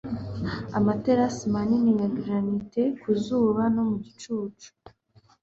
Amaterasi manini ya granite ku zuba no mu gicucu